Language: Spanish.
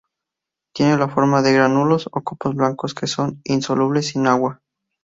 Toma la forma de gránulos o copos blancos, que son insolubles en agua.